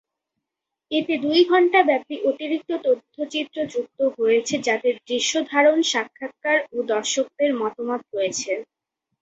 এতে দুই ঘণ্টা ব্যাপী অতিরিক্ত তথ্যচিত্র যুক্ত হয়েছে যাতে দৃশ্যধারণ, সাক্ষাৎকার ও দর্শকদের মতামত রয়েছে।